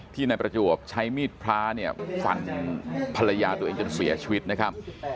นายประจวบใช้มีดพระเนี่ยฟันภรรยาตัวเองจนเสียชีวิตนะครับ